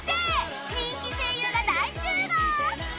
人気声優が大集合！